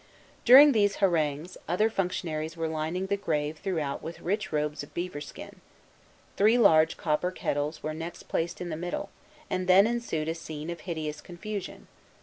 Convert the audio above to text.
During these harangues, other functionaries were lining the grave throughout with rich robes of beaver skin. Three large copper kettles were next placed in the middle, and then ensued a scene of hideous confusion.